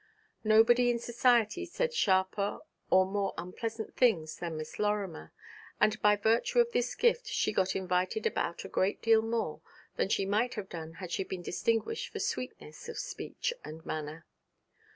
Nobody in society said sharper or more unpleasant things than Miss Lorimer, and by virtue of this gift she got invited about a great deal more than she might have done had she been distinguished for sweetness of speech and manner.